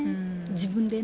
自分でね。